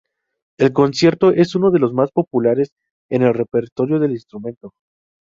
El concierto es uno de los más populares en el repertorio del instrumento.